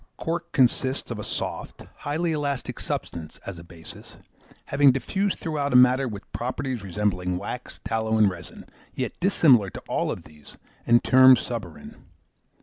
Cork consists of a soft, highly elastic substance, as a basis, having diffused throughout a matter with properties resembling wax, tallow, and resin, yet dissimilar to all of these, and termed suberin.